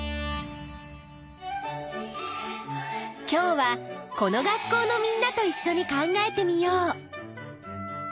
今日はこの学校のみんなといっしょに考えてみよう！